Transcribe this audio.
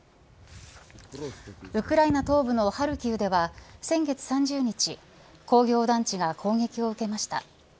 ウクライナ東部のハルキウでは先月３０日工業団地が攻撃を受けました。